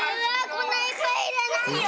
こんないっぱいいらないよ。